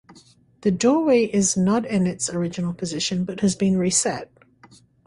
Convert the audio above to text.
The doorway is not in its original position but has been re-set.